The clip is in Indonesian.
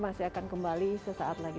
masih akan kembali sesaat lagi